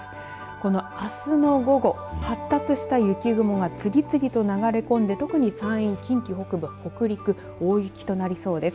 このあすの午後発した雪雲が次々と流れ込んで、特に山陰、近畿北部、北陸大雪となりそうです。